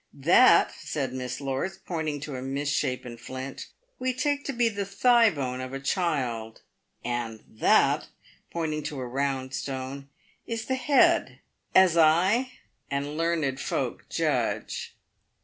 " That," said Miss Lorts, pointing to a mis shapen flint, " we take to be the thigh bone of a child — and that" (pointing to a round stone) "is the head, as I and learned folk judge."